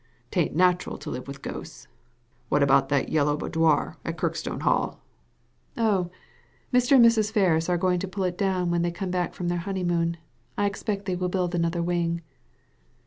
'Taint nat'ral to live with ghosts. What about that Yellow Boudoir atKirkstoneHall?" 0h! Mr. and Mrs. Ferris are going to pull it down when they come back from their honeymoon, I expect they will build another wing."